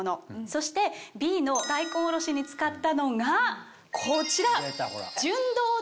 そしてＢの大根おろしに使ったのがこちら。